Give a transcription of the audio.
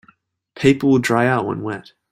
Paper will dry out when wet.